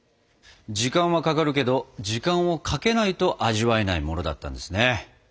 時間はかかるけど時間をかけないと味わえないものだったんですね。